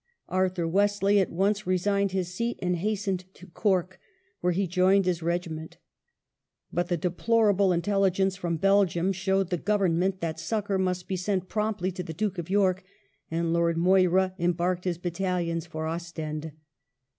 Arthur Wesley at once resigned his seat and hastened to Cork, where he joined his regiment But the deplorable intelligence from Belgium showed the Government that succoui* must be sent promptly to the Duke of York, and Lord Moira embarked his battalions for Ostend.